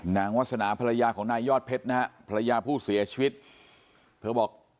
วาสนาภรรยาของนายยอดเพชรนะฮะภรรยาผู้เสียชีวิตเธอบอก